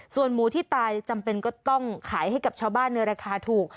ส่วนหมูที่ตายจำเป็นก็ต้องขายให้กับชาวบ้านในราคาถูก